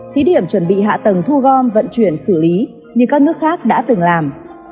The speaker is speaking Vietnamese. thí điểm chuẩn bị hạ tầng thu gom vận chuyển xử lý như các nước khác đã từng làm